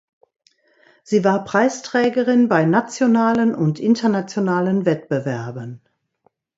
Sie war Preisträgerin bei nationalen und internationalen Wettbewerben.